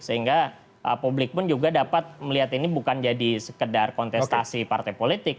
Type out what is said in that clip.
sehingga publik pun juga dapat melihat ini bukan jadi sekedar kontestasi partai politik